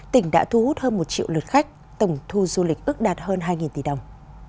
tỉnh đã thu hút hơn một triệu lượt khách tổng thu du lịch ước đạt hơn hai tỷ đồng